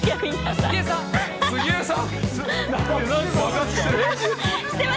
杉江さん。